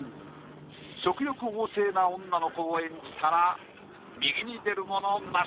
食欲旺盛な女の子を演じたら右に出る者なし。